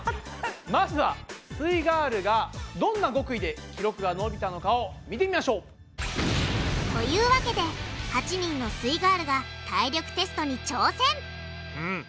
まずはすイガールがどんな極意で記録が伸びたのかを見てみましょう！というわけで８人のすイガールが体力テストに挑戦！